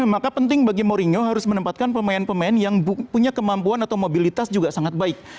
maka penting bagi mourinho harus menempatkan pemain pemain yang punya kemampuan atau mobilitas juga sangat baik